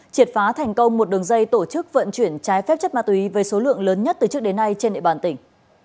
triệt phá thành công một đường dây tổ chức vận chuyển trái phép chất ma túy với số lượng lớn nhất từ trước đến nay trên địa bàn tỉnh